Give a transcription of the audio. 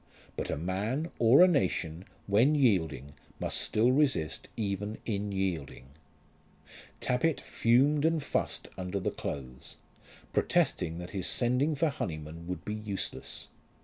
But a man, or a nation, when yielding must still resist even in yielding. Tappitt fumed and fussed under the clothes, protesting that his sending for Honyman would be useless.